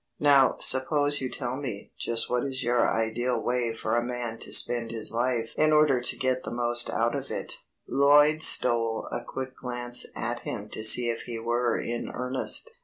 Now suppose you tell me just what is your ideal way for a man to spend his life in order to get the most out of it." Lloyd stole a quick glance at him to see if he were in earnest.